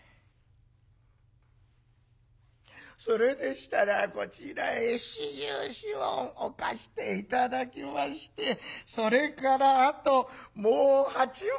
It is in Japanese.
「それでしたらこちらへ４４文置かして頂きましてそれからあともう８文。